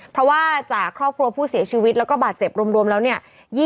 เพราะว่าจากครอบครัวผู้เสียชีวิตแล้วก็บาดเจ็บรวมแล้วเนี่ย